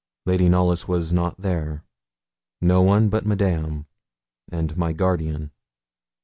Lady Knollys was not there no one but Madame and my guardian.